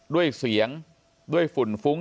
ด้วยเสียงด้วยฝุ่นฟุ้ง